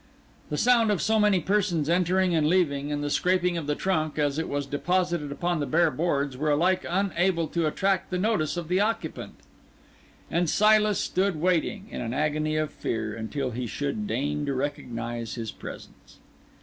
The sound of so many persons entering and leaving, and the scraping of the trunk as it was deposited upon the bare boards, were alike unable to attract the notice of the occupant; and Silas stood waiting, in an agony of fear, until he should deign to recognise his presence.